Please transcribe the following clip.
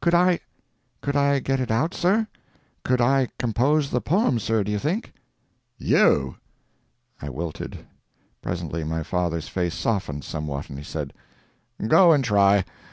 Could I—could I get it out, sir? Could I compose the poem, sir, do you think?" "You!" I wilted. Presently my father's face softened somewhat, and he said: "Go and try.